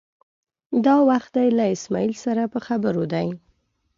دا وخت دی له اسمعیل سره په خبرو دی.